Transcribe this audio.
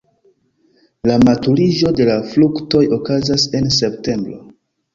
La maturiĝo de la fruktoj okazas en septembro.